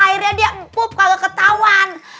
akhirnya dia empuk kagak ketauan